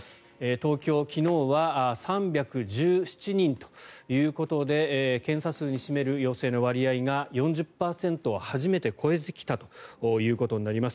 東京、昨日は３１７人ということで検査数に占める陽性の割合が４０％を初めて超えてきたということになります。